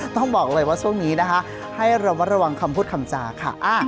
ต้องบอกเลยว่าช่วงนี้นะคะให้ระมัดระวังคำพูดคำจาค่ะ